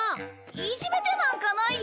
いじめてなんかないよ。